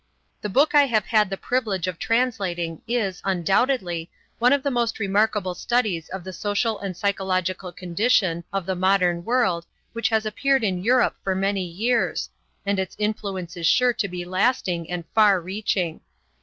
The book I have had the privilege of translating is, undoubtedly, one of the most remarkable studies of the social and psychological condition of the modern world which has appeared in Europe for many years, and its influence is sure to be lasting and far reaching.